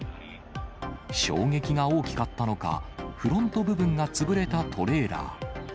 衝撃が大きかったのか、フロント部分が潰れたトレーラー。